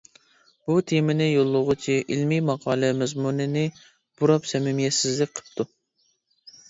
بۇ تېمىنى يوللىغۇچى ئىلمىي ماقالە مەزمۇنىنى بۇراپ سەمىمىيەتسىزلىك قىپتۇ.